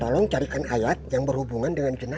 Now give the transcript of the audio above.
tolong carikan ayat yang berhubungan dengan